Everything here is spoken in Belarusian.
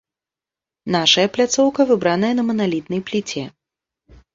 Нашая пляцоўка выбраная на маналітнай пліце.